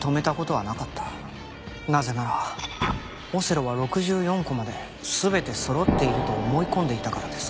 なぜならオセロは６４駒で全てそろっていると思い込んでいたからです。